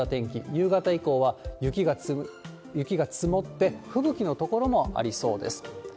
夕方以降は雪が積もって、吹雪の所もありそうです。